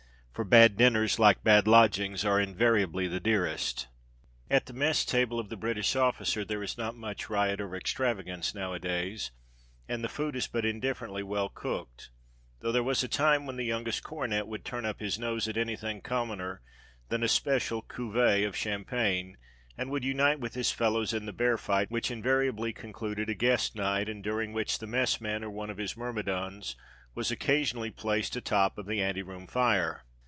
For bad dinners, like bad lodgings, are invariably the dearest. At the Mess Table of the British officer there is not much riot or extravagance nowadays, and the food is but indifferently well cooked; though there was a time when the youngest cornet would turn up his nose at anything commoner than a "special cuvée" of champagne, and would unite with his fellows in the "bear fight" which invariably concluded a "guest night," and during which the messman, or one of his myrmidons, was occasionally placed atop of the ante room fire.